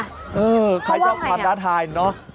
เขาว่าอย่างไรนี่เนอ่มกับประดาษฐานเนอะ